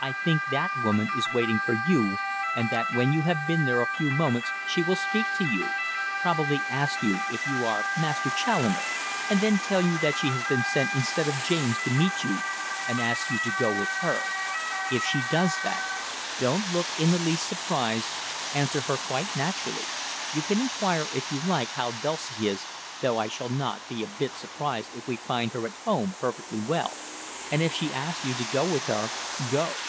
I think that woman is waiting for you, and that when you have been there a few moments she will speak to you probably ask you if you are Master Challoner, and then tell you that she has been sent instead of James to meet you, and ask you to go with her. If she does that, don't look in the least surprised, answer her quite naturally you can inquire, if you like, how Dulcie is, though I shall not be a bit surprised if we find her at home perfectly well and if she asks you to go with her, go.